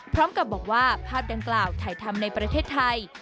พร้อมกับบอกว่าภาพดังกล่าวถ่ายทำในประเทศไทย